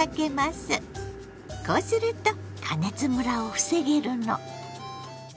こうすると加熱むらを防げるの。